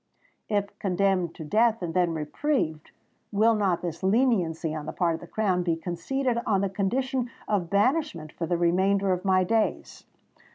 —if condemned to death, and then reprieved, will not this leniency on the part of the Crown be conceded on the condition of banishment for the remainder of my days?